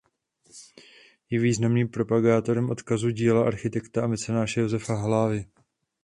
Je významným propagátorem odkazu díla architekta a mecenáše Josefa Hlávky.